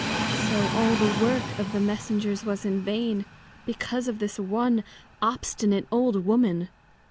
So all the work of the messengers was in vain, because of this one obstinate old woman.